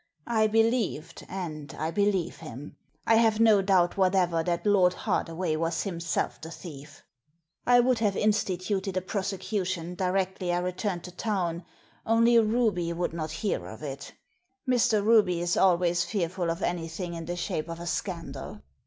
I believed, and I believe him. I have no doubt what ever that Lord Hardaway was himself the thie£ I would have instituted a prosecution directly I re turned to town only Ruby would not hear of it Mr. Ruby is always fearful of anything in the shape of a scandal.